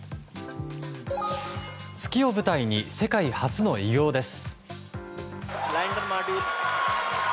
月を舞台に世界初の偉業です。